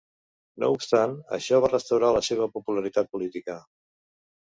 No obstant, això va restaurar la seva popularitat política.